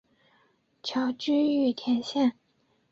侨居玉田县。